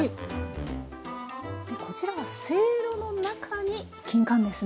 こちらはせいろの中にきんかんですね。